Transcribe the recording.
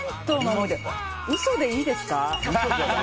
嘘でいいですか？